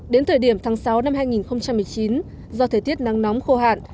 đến thời điểm tháng sáu năm hai nghìn một mươi chín do thời tiết nắng nóng khô hạn